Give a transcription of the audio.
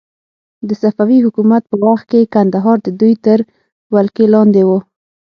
د صفوي حکومت په وخت کې کندهار د دوی تر ولکې لاندې و.